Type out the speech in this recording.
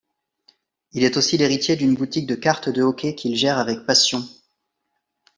Il est aussi l'héritier d'une boutique de cartes de hockey qu'il gère avec passion.